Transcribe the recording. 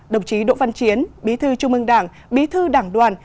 đồng chí đỗ văn chiến bí thư trung ương đảng bí thư đảng đoàn